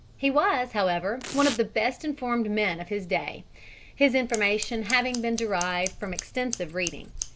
He was, however, one of the best informed men of the day, his information having been derived from extensive reading.